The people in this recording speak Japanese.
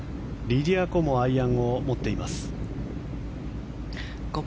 リディア・コもアイアンを持っています。